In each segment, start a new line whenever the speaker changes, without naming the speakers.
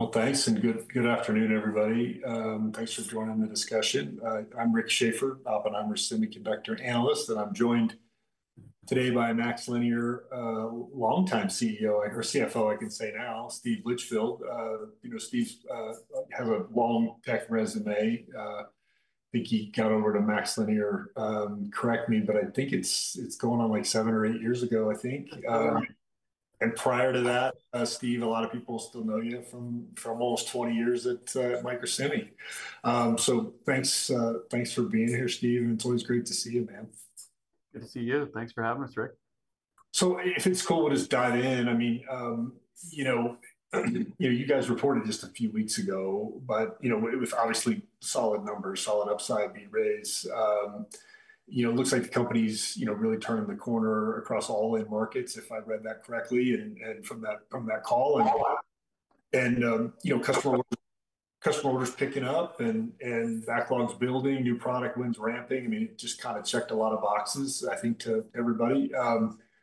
Okay, good afternoon, everybody. Thanks for joining the discussion. I'm Rick Schafer, I'm a semiconductor analyst, and I'm joined today by MaxLinear, longtime CFO, I can say now, Steve Litchfield. You know, Steve has a long tech resume. I think he got over to MaxLinear, correct me, but I think it's going on like seven or eight years ago, I think. Prior to that, Steve, a lot of people still know you from almost 20 years at Microsemi. Thanks for being here, Steve, and it's always great to see you, man.
Good to see you. Thanks for having us, Rick.
If it's cool, we'll just dive in. You guys reported just a few weeks ago, with obviously solid numbers, solid upside B-raise. It looks like the company's really turned the corner across all A markets, if I read that correctly. From that call, customer orders picking up and backlogs building, new product wins ramping. It just kind of checked a lot of boxes, I think, to everybody. I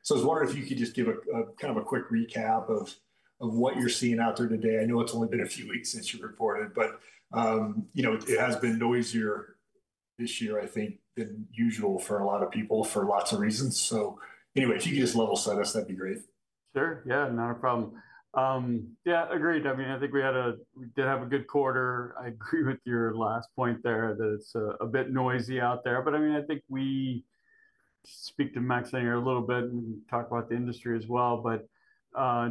was wondering if you could just give a kind of a quick recap of what you're seeing out there today. I know it's only been a few weeks since you reported, but it has been noisier this year, I think, than usual for a lot of people for lots of reasons. If you could just level set us, that'd be great.
Sure. Yeah, not a problem. Yeah, agreed. I mean, I think we had a, we did have a good quarter. I agree with your last point there that it's a bit noisy out there. I mean, I think we speak to MaxLinear a little bit and talk about the industry as well, but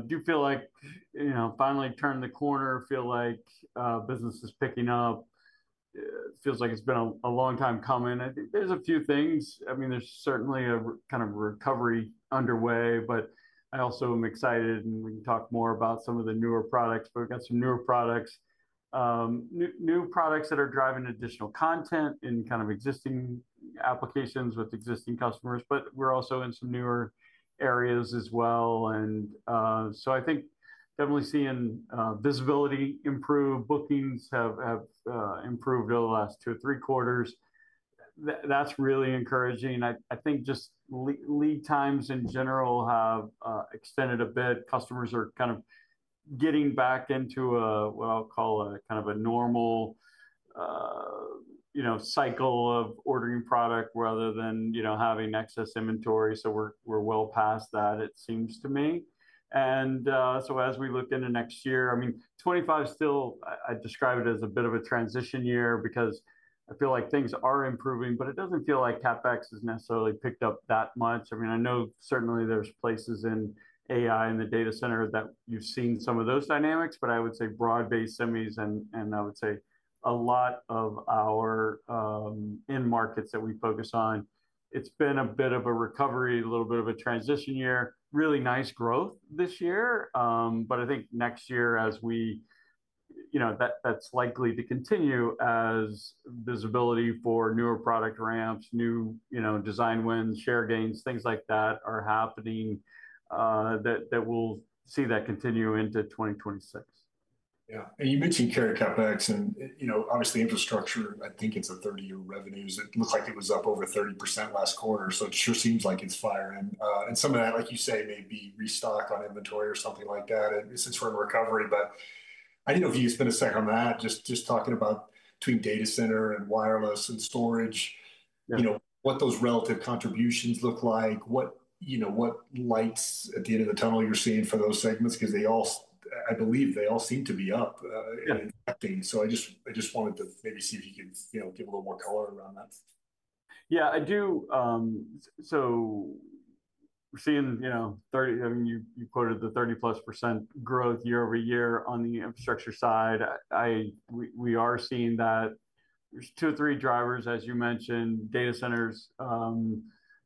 do feel like, you know, finally turned the corner, feel like business is picking up? It feels like it's been a long time coming. I think there's a few things. I mean, there's certainly a kind of recovery underway, but I also am excited and we can talk more about some of the newer products, but we've got some newer products, new products that are driving additional content in kind of existing applications with existing customers, but we're also in some newer areas as well. I think definitely seeing visibility improve, bookings have improved over the last two or three quarters. That's really encouraging. I think just lead times in general have extended a bit. Customers are kind of getting back into what I'll call a kind of a normal cycle of ordering product rather than having excess inventory. We're well past that, it seems to me. As we look into next year, I mean, 2025 still, I describe it as a bit of a transition year because I feel like things are improving, but it doesn't feel like CapEx has necessarily picked up that much. I know certainly there's places in AI and the data center that you've seen some of those dynamics, but I would say broad-based semis and I would say a lot of our end markets that we focus on, it's been a bit of a recovery, a little bit of a transition year, really nice growth this year. I think next year as we, you know, that that's likely to continue as visibility for newer product ramps, new design wins, share gains, things like that are happening, that we'll see that continue into 2026.
Yeah. You mentioned carrier CapEx and, you know, obviously infrastructure. I think it's a 30-year revenue. It looked like it was up over 30% last quarter. It sure seems like it's firing, and some, like you said, maybe restock on inventory or something like that. This is for a recovery, but I didn't know if you guys had been a second on that, just talking about between data center and wireless and storage, you know, what those relative contributions look like, what, you know, what lights at the end of the tunnel you're seeing for those segments, because they all, I believe they all seem to be up in the update. I just wanted to maybe see if you can, you know, give a little more color around that.
Yeah, I do. We're seeing, you know, 30, I mean, you quoted the 30%+ growth year-over-year on the infrastructure side. We are seeing that there's two or three drivers, as you mentioned. Data centers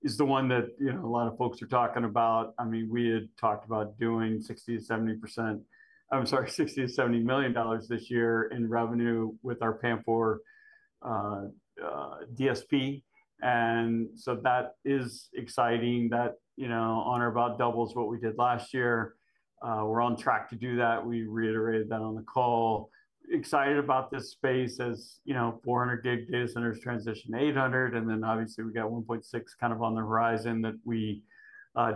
is the one that a lot of folks are talking about. We had talked about doing $60 million-$70 million this year in revenue with our PAM4 DSP. That is exciting. That, you know, on or about doubles what we did last year. We're on track to do that. We reiterated that on the call. Excited about this space as 400G data centers transition to 800G. Obviously, we got 1.6T kind of on the horizon that we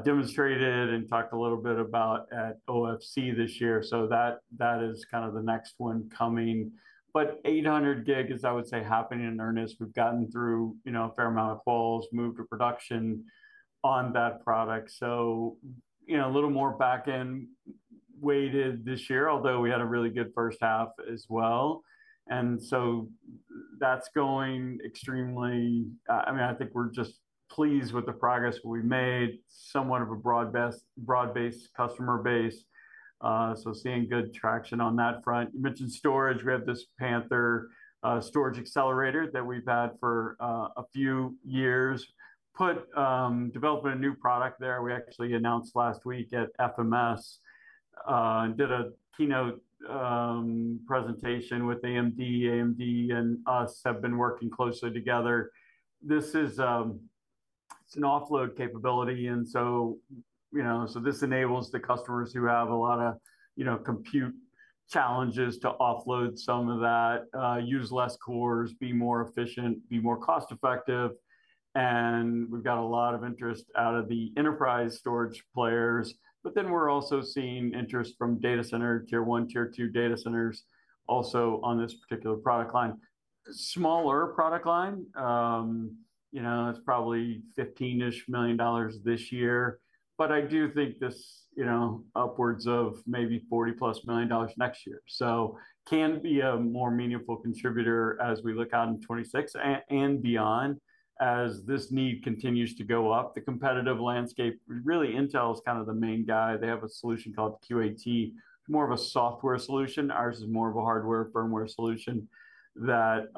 demonstrated and talked a little bit about at OFC this year. That is kind of the next one coming. 800 G is, I would say, happening in earnest. We've gotten through a fair amount of calls, moved to production on that product. A little more backend weighted this year, although we had a really good first half as well. That's going extremely, I mean, I think we're just pleased with the progress we made, somewhat of a broad-based customer base. Seeing good traction on that front. You mentioned storage. We had this Panther hardware storage accelerator that we've had for a few years. Developing a new product there. We actually announced last week at FMS and did a keynote presentation with AMD. AMD and us have been working closely together. This is an offload capability. This enables the customers who have a lot of compute challenges to offload some of that, use less cores, be more efficient, be more cost-effective. We've got a lot of interest out of the enterprise storage players, but then we're also seeing interest from data center, tier one, tier two data centers also on this particular product line. Smaller product line, it's probably $15ish million this year, but I do think this, you know, upwards of maybe $40+ million next year. Can be a more meaningful contributor as we look out in 2026 and beyond as this need continues to go up. The competitive landscape, really, Intel is kind of the main guy. They have a solution called QAT, more of a software solution. Ours is more of a hardware firmware solution that,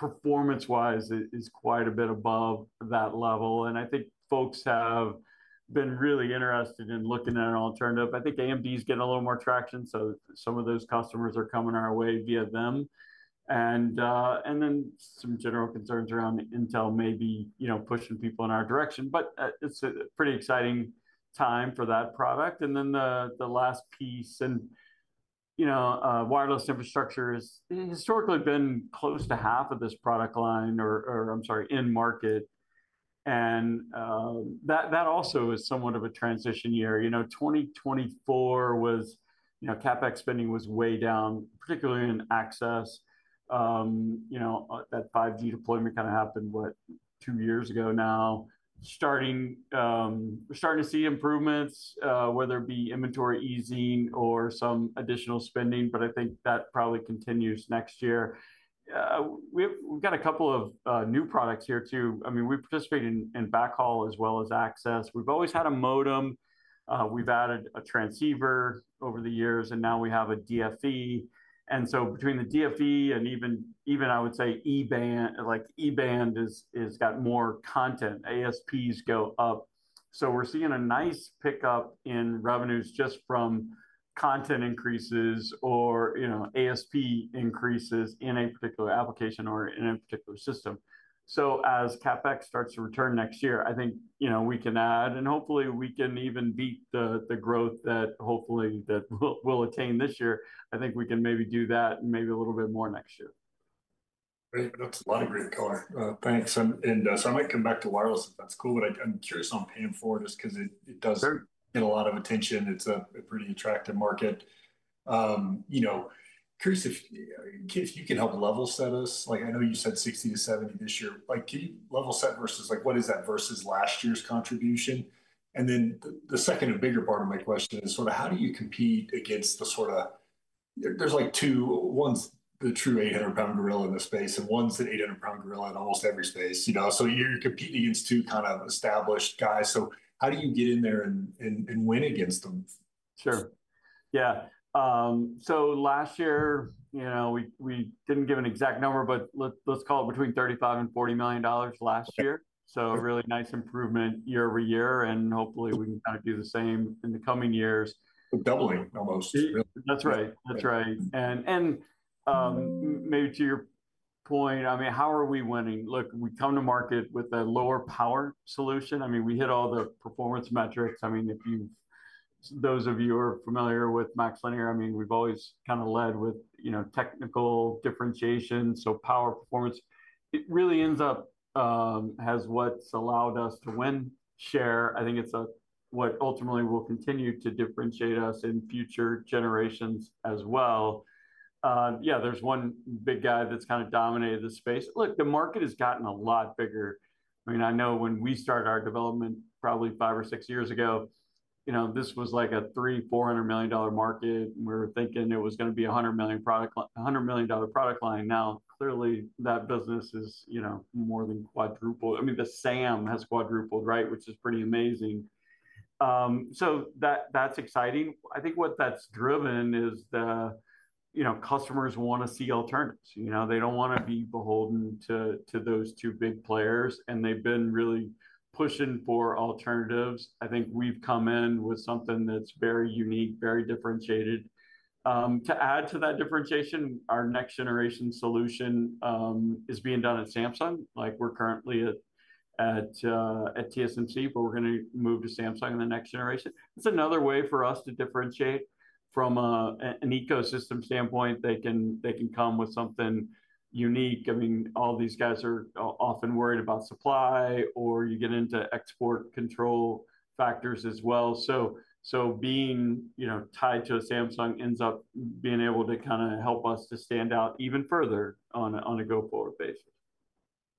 performance-wise, is quite a bit above that level. I think folks have been really interested in looking at an alternative. I think AMD is getting a little more traction. Some of those customers are coming our way via them, and then some general concerns around Intel may be, you know, pushing people in our direction. It's a pretty exciting time for that product. The last piece, and, you know, wireless infrastructure has historically been close to half of this product line, or I'm sorry, in market. That also is somewhat of a transition year. You know, 2024 was, you know, CapEx spending was way down, particularly in access. You know, that 5G deployment kind of happened, what, two years ago now. We're starting to see improvements, whether it be inventory easing or some additional spending, but I think that probably continues next year. We've got a couple of new products here too. I mean, we participate in backhaul as well as access. We've always had a modem. We've added a transceiver over the years, and now we have a DFE. Between the DFE and even, even I would say eBand, like eBand has got more content. ASPs go up. We're seeing a nice pickup in revenues just from content increases or, you know, ASP increases in a particular application or in a particular system. As CapEx starts to return next year, I think, you know, we can add, and hopefully we can even beat the growth that hopefully that we'll attain this year. I think we can maybe do that and maybe a little bit more next year.
That's a lot of great color. Thanks. I might come back to wireless if that's cool, but I'm curious on PAM4 just because it does get a lot of attention. It's a pretty attractive market. Curious if you could help level set us. Like I know you said $60 million-$70 million this year. Can you level set versus what is that versus last year's contribution? The second and bigger part of my question is sort of how do you compete against the sort of, there's like two, one's the true 800-pound gorilla in this space and one's the 800-pound gorilla in almost every space, you know. You're competing against two kind of established guys. How do you get in there and win against them?
Sure. Yeah, last year, you know, we didn't give an exact number, but let's call it between $35 million and $40 million last year. A really nice improvement year-over-year, and hopefully we can kind of do the same in the coming years.
Doubling almost.
That's right. That's right. Maybe to your point, I mean, how are we winning? Look, we come to market with a lower power solution. I mean, we hit all the performance metrics. I mean, if you've, those of you who are familiar with MaxLinear, I mean, we've always kind of led with, you know, technical differentiation. Power performance, it really ends up, has what's allowed us to win share. I think it's what ultimately will continue to differentiate us in future generations as well. Yeah, there's one big guy that's kind of dominated the space. Look, the market has gotten a lot bigger. I mean, I know when we started our development probably five or six years ago, this was like a $300 million-$400 million market. We were thinking it was going to be a $100 million product, $100 million product line. Now clearly that business is, you know, more than quadrupled. I mean, the SAM has quadrupled, right? Which is pretty amazing. That, that's exciting. I think what that's driven is the, you know, customers want to see alternatives. You know, they don't want to be beholden to those two big players, and they've been really pushing for alternatives. I think we've come in with something that's very unique, very differentiated. To add to that differentiation, our next generation solution is being done at Samsung. Like we're currently at TSMC, but we're going to move to Samsung in the next generation. It's another way for us to differentiate from an ecosystem standpoint. They can come with something unique. I mean, all these guys are often worried about supply or you get into export control factors as well. Being tied to a Samsung ends up being able to kind of help us to stand out even further on a go forward basis.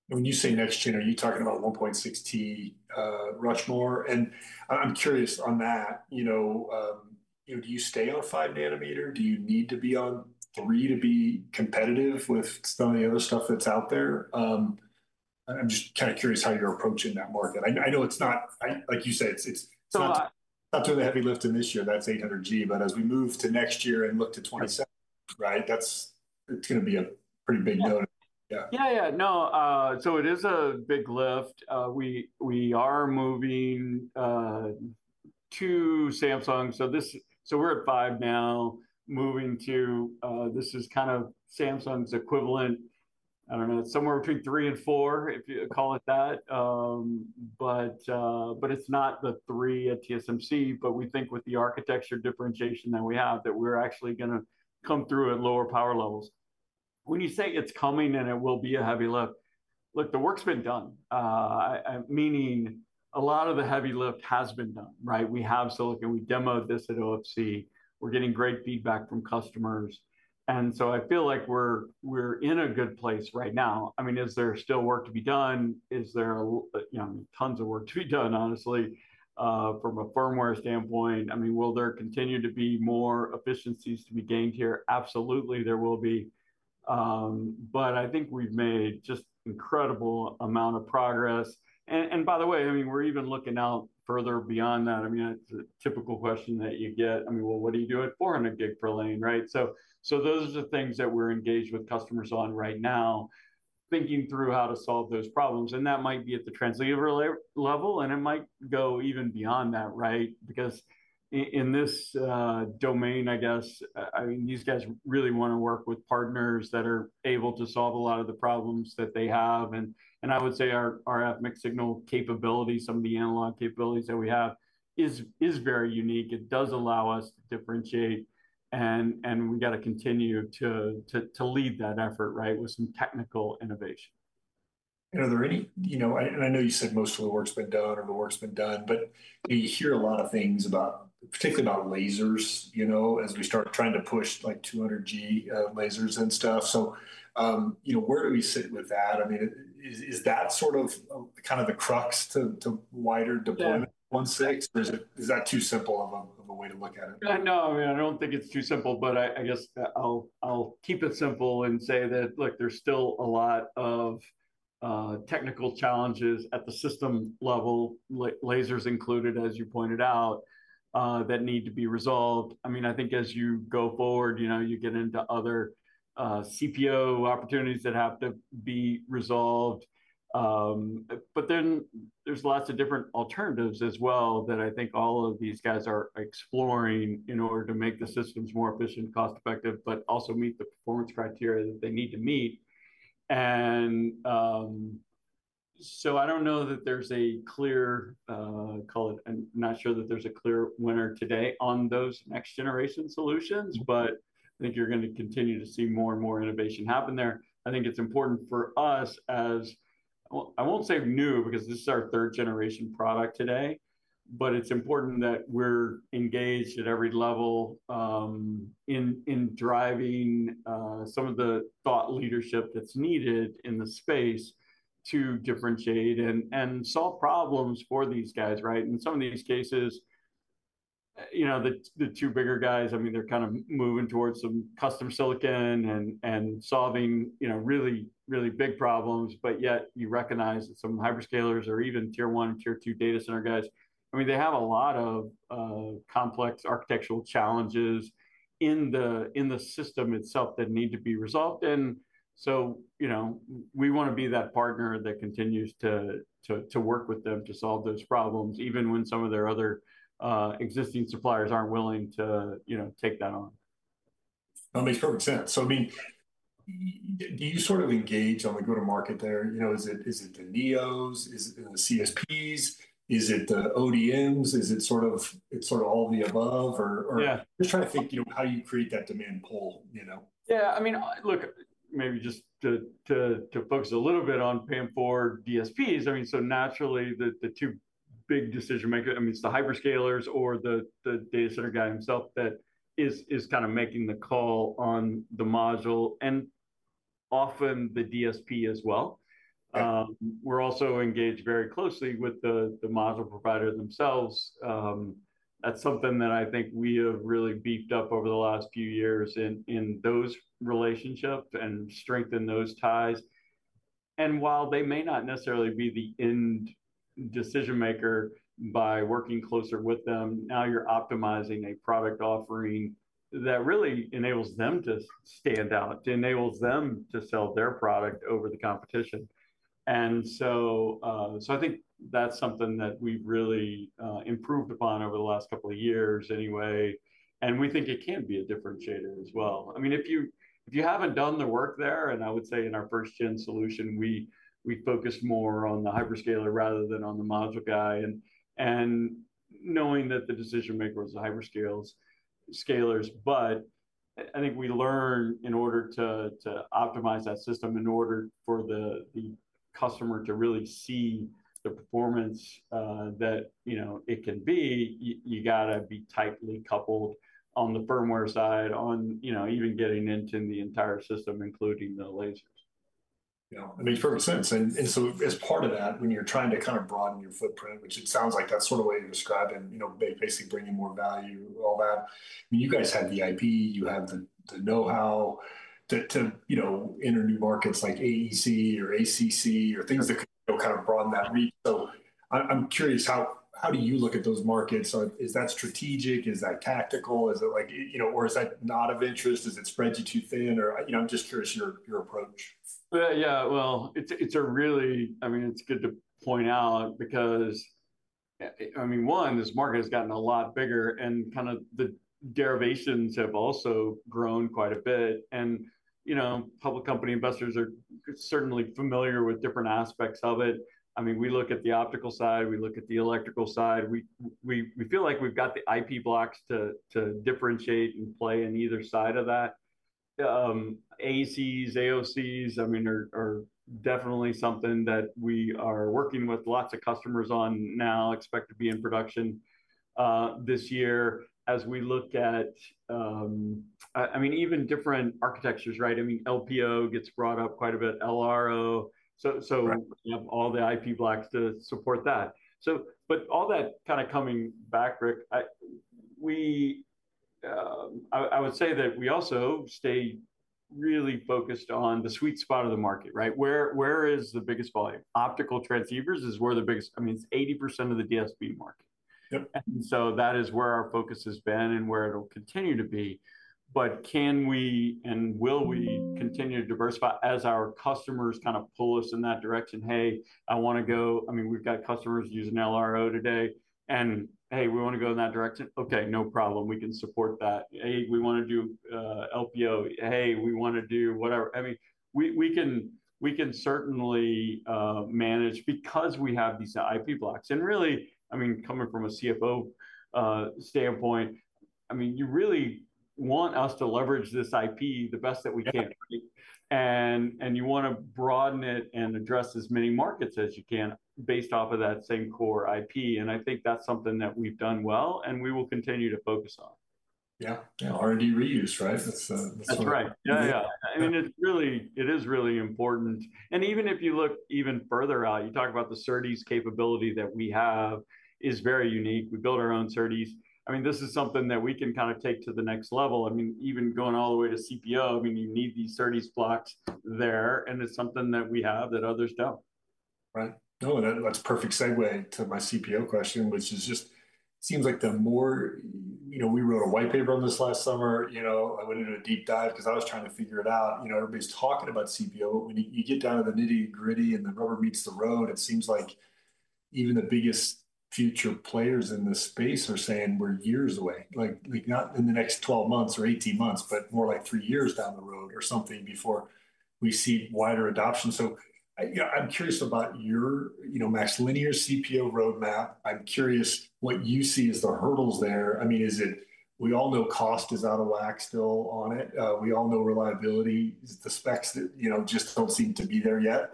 When you say next gen, are you talking about 1.6T, Rushmore? I'm curious on that, do you stay on a five nanometer? Do you need to be on three to be competitive with some of the other stuff that's out there? I'm kind of curious how you're approaching that market. I know it's not, like you said, it's not doing the heavy lifting this year. That's 800G, but as we move to next year and look to 2027, right? It's going to be a pretty big note.
No, it is a big lift. We are moving to Samsung. We're at five now, moving to, this is kind of Samsung's equivalent. I don't know, it's somewhere between three and four, if you call it that, but it's not the three at TSMC. We think with the architecture differentiation that we have, we're actually going to come through at lower power levels.
When you say it's coming and it will be a heavy lift?
The work's been done. I mean a lot of the heavy lift has been done, right? We have silicon, we demoed this at OFC. We're getting great feedback from customers, and I feel like we're in a good place right now. Is there still work to be done? Is there, you know, tons of work to be done, honestly, from a firmware standpoint? Will there continue to be more efficiencies to be gained here? Absolutely, there will be. I think we've made just an incredible amount of progress. By the way, we're even looking out further beyond that. That's a typical question that you get. What are you doing 400G for lane, right? Those are the things that we're engaged with customers on right now, thinking through how to solve those problems. That might be at the translative level, and it might go even beyond that, right? In this domain, these guys really want to work with partners that are able to solve a lot of the problems that they have. I would say our Ethernet signal capability, some of the analog capabilities that we have, is very unique. It does allow us to differentiate, and we got to continue to lead that effort with some technical innovation.
Are there any, you know, I know you said most of the work's been done or the work's been done, but you hear a lot of things, particularly about lasers, as we start trying to push like 200G lasers and stuff. Where do we sit with that? Is that sort of the crux to wider deployment in 2026? Is that too simple of a way to look at it?
No, I mean, I don't think it's too simple, but I guess I'll keep it simple and say that, look, there's still a lot of technical challenges at the system level, lasers included, as you pointed out, that need to be resolved. I mean, I think as you go forward, you get into other CPO opportunities that have to be resolved, but then there's lots of different alternatives as well that I think all of these guys are exploring in order to make the systems more efficient, cost-effective, but also meet the performance criteria that they need to meet. I don't know that there's a clear, call it, I'm not sure that there's a clear winner today on those next generation solutions, but I think you're going to continue to see more and more innovation happen there. I think it's important for us, as I won't say new because this is our third generation product today, but it's important that we're engaged at every level in driving some of the thought leadership that's needed in the space to differentiate and solve problems for these guys, right? In some of these cases, the two bigger guys, I mean, they're kind of moving towards some custom silicon and solving really, really big problems, yet you recognize that some hyperscalers or even tier one and tier two data center guys, I mean, they have a lot of complex architectural challenges in the system itself that need to be resolved. We want to be that partner that continues to work with them to solve those problems, even when some of their other existing suppliers aren't willing to take that on.
That makes perfect sense. Do you sort of engage on the go-to-market there? Is it the NEOs, the CSPs, the ODMs, or is it sort of all the above? Just trying to think how you create that demand pool.
Yeah, I mean, look, maybe just to focus a little bit on PAM4 DSPs. I mean, so naturally the two big decision makers, I mean, it's the hyperscalers or the data center guy himself that is kind of making the call on the module and often the DSP as well. We're also engaged very closely with the module provider themselves. That's something that I think we have really beefed up over the last few years in those relationships and strengthened those ties. While they may not necessarily be the end decision maker, by working closer with them, now you're optimizing a product offering that really enables them to stand out, to enable them to sell their product over the competition. I think that's something that we've really improved upon over the last couple of years anyway. We think it can be a differentiator as well. I mean, if you haven't done the work there, and I would say in our first gen solution, we focused more on the hyperscaler rather than on the module guy. Knowing that the decision maker was the hyperscalers, but I think we learn in order to optimize that system, in order for the customer to really see the performance, that, you know, it can be, you got to be tightly coupled on the firmware side, on, you know, even getting into the entire system, including the laser.
Yeah, that makes perfect sense. As part of that, when you're trying to kind of broaden your footprint, which it sounds like that's sort of the way you describe it, basically bringing more value, all that. I mean, you guys had the IP, you had the know-how to, you know, enter new markets like AEC or ACC or things that could kind of broaden that reach. I'm curious, how do you look at those markets? Is that strategic? Is that tactical? Is it like, you know, or is that not of interest? Does it spread you too thin? I'm just curious your approach.
Yeah, it's good to point out because, I mean, one, this market has gotten a lot bigger and kind of the derivations have also grown quite a bit. Public company investors are certainly familiar with different aspects of it. We look at the optical side, we look at the electrical side. We feel like we've got the IP blocks to differentiate and play in either side of that. AECs, AOCs are definitely something that we are working with lots of customers on now, expect to be in production this year as we look at even different architectures, right? LPO gets brought up quite a bit, LRO, so all the IP blocks to support that. All that kind of coming back, Rick, I would say that we also stay really focused on the sweet spot of the market, right? Where is the biggest volume? Optical transceivers is where the biggest, it's 80% of the DSP market. Yep. That is where our focus has been and where it'll continue to be. Can we and will we continue to diversify as our customers kind of pull us in that direction? Hey, I want to go, we've got customers using LRO today and hey, we want to go in that direction. Okay, no problem. We can support that. Hey, we want to do LPO. Hey, we want to do whatever. We can certainly manage because we have these IP blocks. Really, coming from a CFO standpoint, you really want us to leverage this IP the best that we can. You want to broaden it and address as many markets as you can based off of that same core IP. I think that's something that we've done well and we will continue to focus on.
Yeah, yeah, R&D reuse, right?
That's right. I mean, it's really important. Even if you look further out, you talk about the SerDes capability that we have is very unique. We build our own SerDes. This is something that we can kind of take to the next level, even going all the way to CPO. You need these SerDes blocks there, and it's something that we have that others don't.
Right. No, that's a perfect segue to my CPO question, which is just, it seems like the more, you know, we wrote a white paper on this last summer, I went into a deep dive because I was trying to figure it out. Everybody's talking about CPO. You get down to the nitty-gritty and the rubber meets the road. It seems like even the biggest future players in this space are saying we're years away, like not in the next 12 months or 18 months, but more like three years down the road or something before we see wider adoption. I'm curious about your MaxLinear CPO roadmap. I'm curious what you see as the hurdles there. I mean, we all know cost is out of whack still on it. We all know reliability. Is it the specs that just don't seem to be there yet?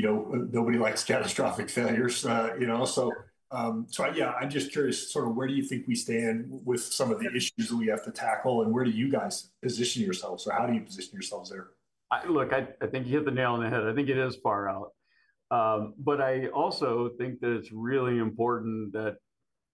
Nobody likes catastrophic failures, so yeah, I'm just curious, sort of where do you think we stand with some of the issues that we have to tackle and where do you guys position yourselves or how do you position yourselves there?
Look, I think you hit the nail on the head. I think it is far out, but I also think that it's really important that,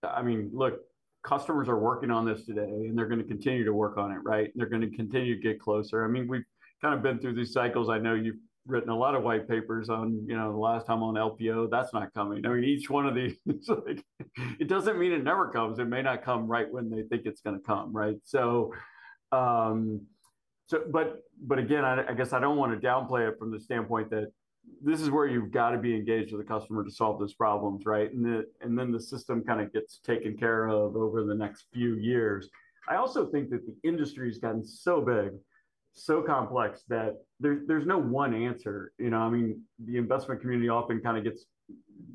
I mean, look, customers are working on this today and they're going to continue to work on it, right? They're going to continue to get closer. We've kind of been through these cycles. I know you've written a lot of white papers on, you know, the last time on LPO, that's not coming. Each one of these, it's like, it doesn't mean it never comes. It may not come right when they think it's going to come, right? I guess I don't want to downplay it from the standpoint that this is where you've got to be engaged with the customer to solve those problems, right? The system kind of gets taken care of over the next few years. I also think that the industry has gotten so big, so complex that there's no one answer. The investment community often kind of gets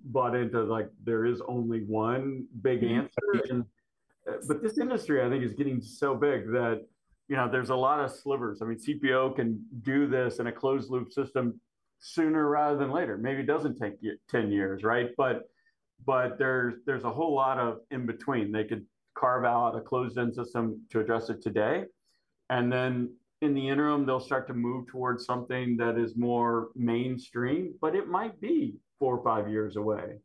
bought into like there is only one big answer. This industry, I think, is getting so big that, you know, there's a lot of slivers. CPO can do this in a closed loop system sooner rather than later. Maybe it doesn't take 10 years, right? There's a whole lot of in between. They could carve out a closed end system to address it today. In the interim, they'll start to move towards something that is more mainstream, but it might be four or five years away.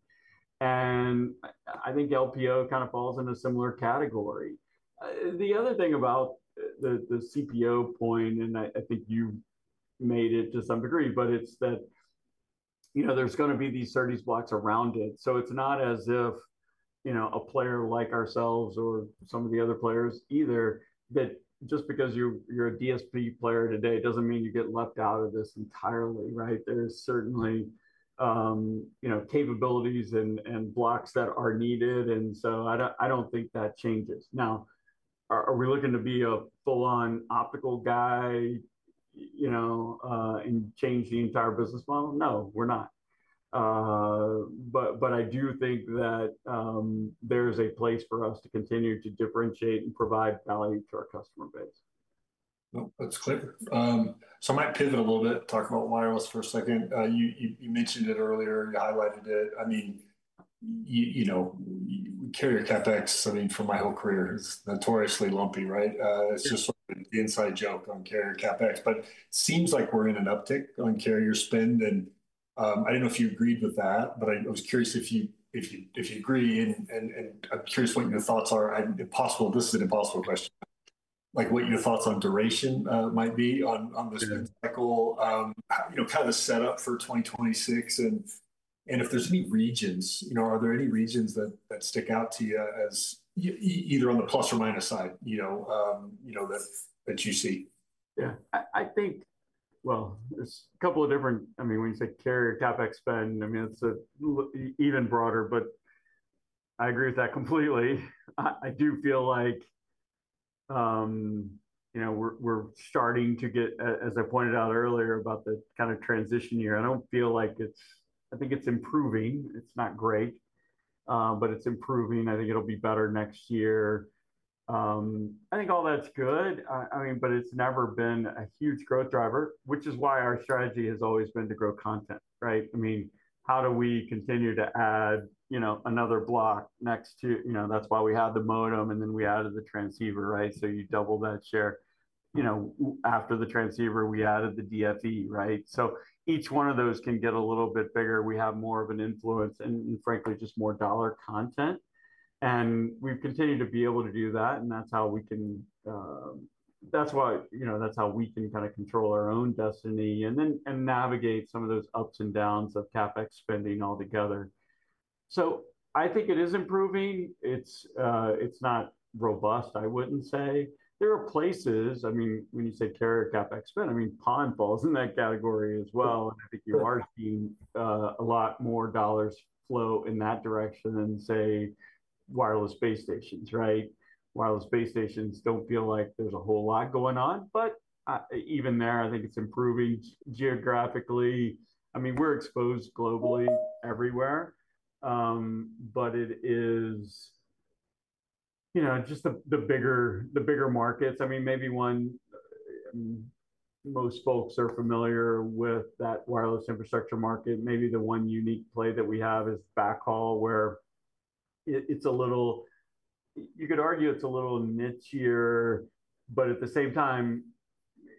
I think LPO kind of falls in a similar category. The other thing about the CPO point, and I think you made it to some degree, but it's that, you know, there's going to be these 30s blocks around it. It's not as if, you know, a player like ourselves or some of the other players either, that just because you're a DSP player today, it doesn't mean you get left out of this entirely, right? There's certainly, you know, capabilities and blocks that are needed. I don't think that changes. Now, are we looking to be a full-on optical guy, you know, and change the entire business model? No, we're not, but I do think that there's a place for us to continue to differentiate and provide value to our customer base.
No, that's clear. I might pivot a little bit, talk about wireless for a second. You mentioned it earlier, you highlighted it. I mean, you know, we carry a CapEx. I mean, for my whole career, it's notoriously lumpy, right? It's just the inside joke on carrier CapEx, but it seems like we're in an uptick on carrier spend. I don't know if you agreed with that, but I was curious if you agree. I'm curious what your thoughts are. This is an impossible question. What your thoughts on duration might be on the technical, you know, kind of a setup for 2026. If there's any regions, are there any regions that stick out to you as either on the plus or minus side that you see?
I think there's a couple of different, I mean, when you say carrier CapEx spend, it's even broader, but I agree with that completely. I do feel like we're starting to get, as I pointed out earlier about the kind of transition year, I don't feel like it's, I think it's improving. It's not great, but it's improving. I think it'll be better next year. I think all that's good, but it's never been a huge growth driver, which is why our strategy has always been to grow content, right? How do we continue to add another block next to, that's why we have the modem and then we added the transceiver, right? You double that share, after the transceiver, we added the DFE, right? Each one of those can get a little bit bigger. We have more of an influence and frankly, just more dollar content. We've continued to be able to do that. That's how we can, that's why, that's how we can kind of control our own destiny and then navigate some of those ups and downs of CapEx spending altogether. I think it is improving. It's not robust, I wouldn't say. There are places, when you say carrier CapEx spend, PON falls in that category as well. I think you are seeing a lot more dollars flow in that direction than wireless base stations, right? Wireless base stations don't feel like there's a whole lot going on, but even there, I think it's improving geographically. We're exposed globally everywhere, but it is just the bigger markets. Maybe one most folks are familiar with, that wireless infrastructure market. Maybe the one unique play that we have is backhaul, where you could argue it's a little niche-ier, but at the same time,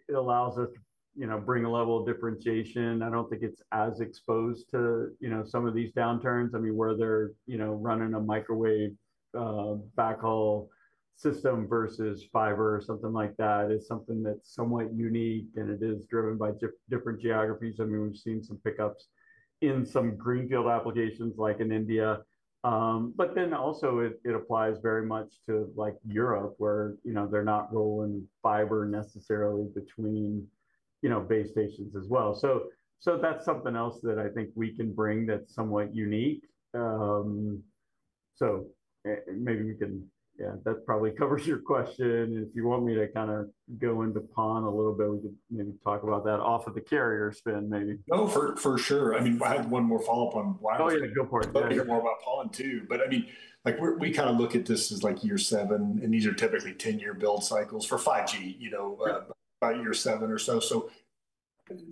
it allows us to bring a level of differentiation. I don't think it's as exposed to some of these downturns. Where they're running a microwave backhaul system versus fiber or something like that is something that's somewhat unique and it is driven by different geographies. We've seen some pickups in some greenfield applications like in India, but then also it applies very much to Europe, where they're not rolling fiber necessarily between base stations as well. That's something else that I think we can bring that's somewhat unique. Maybe we can, yeah, that probably covers your question. If you want me to kind of go into PON a little bit, we could maybe talk about that off of the carrier spend maybe.
Oh, for sure. I mean, I had one more follow-up on wireless.
Oh yeah, go for it.
Yeah, I got one about PON too. I mean, we kind of look at this as like year seven and these are typically 10-year build cycles for 5G, you know, about year seven or so.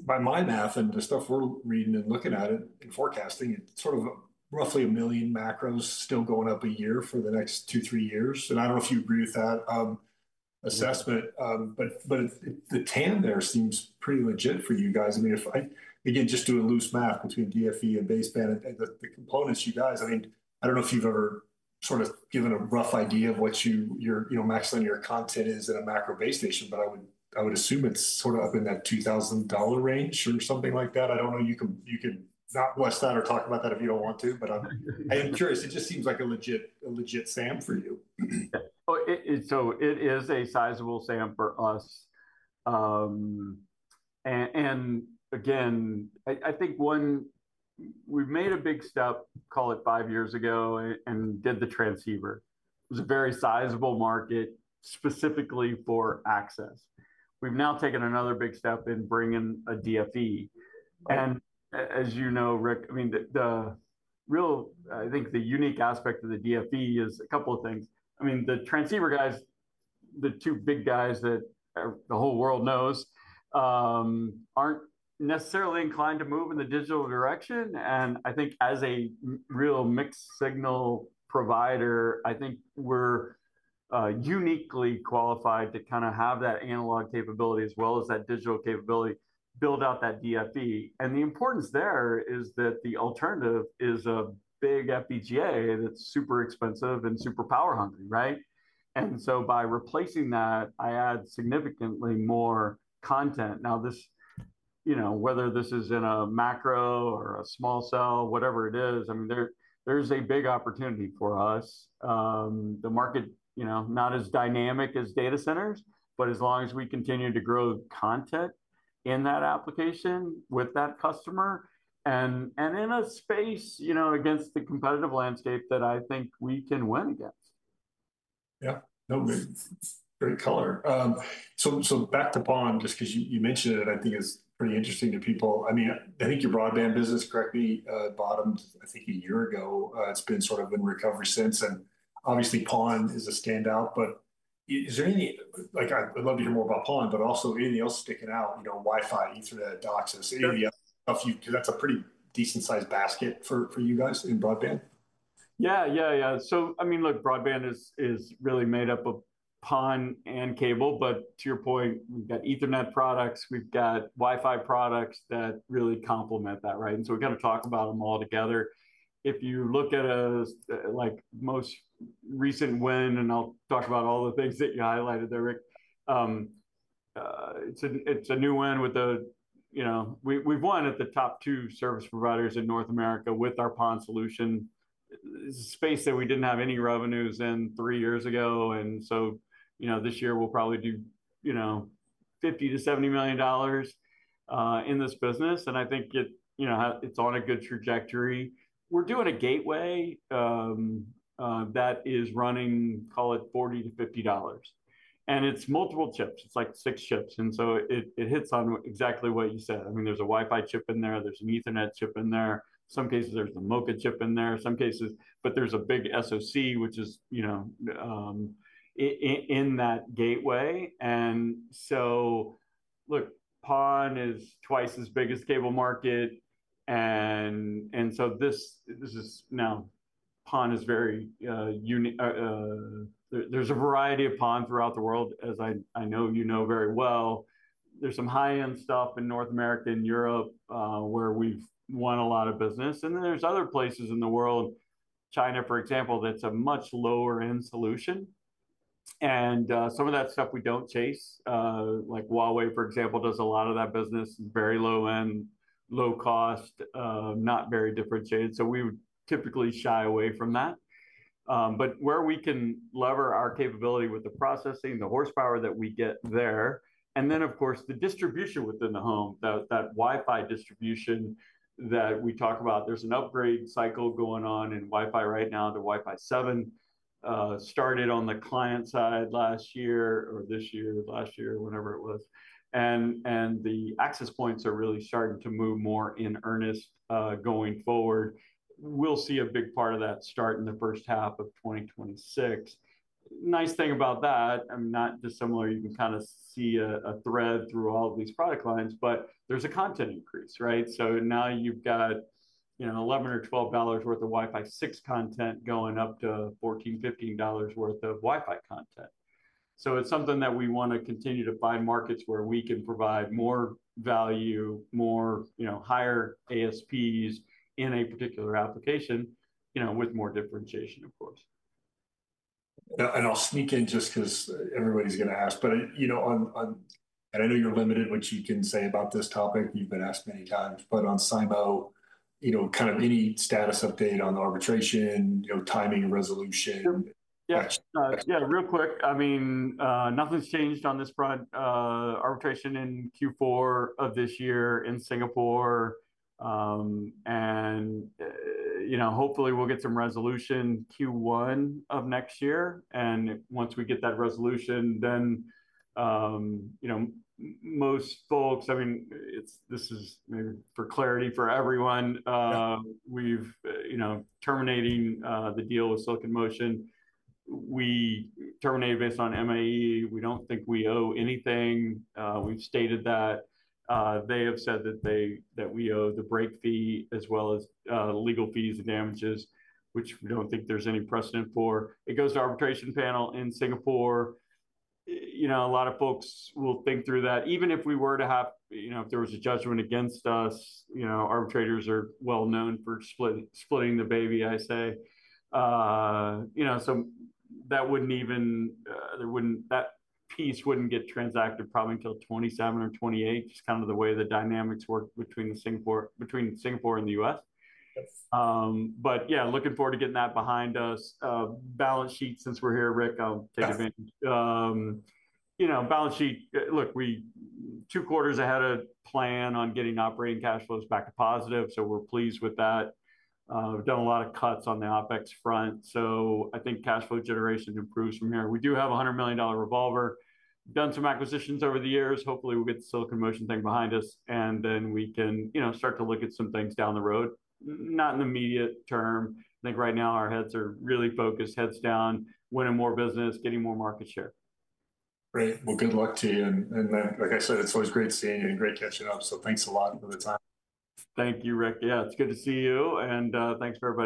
By my math and the stuff we're reading and looking at it and forecasting, it's sort of roughly a million macros still going up a year for the next two, three years. I don't know if you agree with that assessment, but the TAM there seems pretty legit for you guys. If I, again, just do a loose math between DFE and baseband and the components you guys, I mean, I don't know if you've ever sort of given a rough idea of what your MaxLinear content is in a macro base station, but I would assume it's sort of up in that $2,000 range or something like that. I don't know, you can not wash that or talk about that if you don't want to, but I am curious. It just seems like a legit, a legit SAM for you.
It is a sizable SAM for us. I think one, we've made a big step, call it five years ago and did the transceiver. It was a very sizable market specifically for access. We've now taken another big step in bringing a DFE. As you know, Rick, the real, I think the unique aspect of the DFE is a couple of things. The transceiver guys, the two big guys that the whole world knows, aren't necessarily inclined to move in the digital direction. I think as a real mixed signal provider, we're uniquely qualified to have that analog capability as well as that digital capability, build out that DFE. The importance there is that the alternative is a big FPGA that's super expensive and super power hungry, right? By replacing that, I add significantly more content. Now this, whether this is in a macro or a small cell, whatever it is, there's a big opportunity for us. The market, not as dynamic as data centers, but as long as we continue to grow content in that application with that customer and in a space against the competitive landscape that I think we can win against.
Yeah, no, great color. Back to PON, just because you mentioned it, I think it's pretty interesting to people. I mean, I think your broadband business, correct me, bottomed, I think a year ago. It's been sort of in recovery since. Obviously PON is a standout, but is there any, like, I'd love to hear more about PON, but also anything else sticking out, you know, Wi-Fi, Ethernet, DOCSIS, et cetera, because that's a pretty decent sized basket for you guys in broadband.
Yeah, yeah, yeah. I mean, look, broadband is really made up of PON and cable, but to your point, we've got Ethernet products, we've got Wi-Fi products that really complement that, right? We kind of talk about them all together. If you look at a most recent win, and I'll talk about all the things that you highlighted there, Rick, it's a new win with the, you know, we've won at the top two service providers in North America with our PON solution. It's a space that we didn't have any revenues in three years ago. This year we'll probably do $50 million-$70 million in this business. I think it's on a good trajectory. We're doing a gateway that is running, call it $40-$50. It's multiple chips. It's like six chips. It hits on exactly what you said. There's a Wi-Fi chip in there, there's an Ethernet chip in there. In some cases, there's a MoCA chip in there, in some cases, but there's a big SoC, which is in that gateway. PON is twice as big as the cable market. This is now, PON is very unique. There's a variety of PON throughout the world, as I know you know very well. There's some high-end stuff in North America and Europe, where we've won a lot of business. Then there's other places in the world, China, for example, that's a much lower-end solution. Some of that stuff we don't chase, like Huawei, for example, does a lot of that business, very low-end, low-cost, not very differentiated. We typically shy away from that. Where we can lever our capability with the processing, the horsepower that we get there, and then of course the distribution within the home, that Wi-Fi distribution that we talk about, there's an upgrade cycle going on in Wi-Fi right now to Wi-Fi 7. Started on the client side last year or this year, last year, whenever it was. The access points are really starting to move more in earnest, going forward. We'll see a big part of that start in the first half of 2026. Nice thing about that, not dissimilar, you can kind of see a thread through all of these product lines, but there's a content increase, right? Now you've got $11 or $12 worth of Wi-Fi 6 content going up to $14, $15 worth of Wi-Fi content. It's something that we want to continue to find markets where we can provide more value, more, you know, higher ASPs in a particular application, with more differentiation, of course.
I'll sneak in just because everybody's going to ask, but you know, on, and I know you're limited what you can say about this topic, you've been asked many times, but on Silicon Motion, you know, kind of any status update on the arbitration, you know, timing and resolution.
Yeah, real quick. Nothing's changed on this front. Arbitration in Q4 of this year in Singapore, and hopefully we'll get some resolution Q1 of next year. Once we get that resolution, most folks, I mean, this is maybe for clarity for everyone, we've, you know, terminating the deal with Silicon Motion. We terminated this on MAE. We don't think we owe anything. We've stated that. They have said that we owe the break fee as well as legal fees and damages, which we don't think there's any precedent for. It goes to arbitration panel in Singapore. A lot of folks will think through that. Even if we were to have, if there was a judgment against us, arbitrators are well known for splitting the baby, I say. That piece wouldn't get transacted probably until 2027 or 2028, just kind of the way the dynamics work between Singapore and the U.S. Looking forward to getting that behind us. Balance sheet, since we're here, Rick, I'll take a bit. Balance sheet, look, we are two quarters ahead of plan on getting operating cash flows back to positive, so we're pleased with that. We've done a lot of cuts on the OPEX front. I think cash flow generation improves from here. We do have a $100 million revolver. Done some acquisitions over the years. Hopefully we'll get the Silicon Motion thing behind us, and then we can start to look at some things down the road. Not in the immediate term. Right now our heads are really focused, heads down, winning more business, getting more market share.
Great. Good luck to you. Like I said, it's always great seeing you and great catching up. Thanks a lot for the time.
Thank you, Rick. Yeah, it's good to see you. Thanks for everybody.